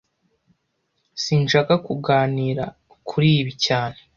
Sinshaka kuganira kuri ibi cyane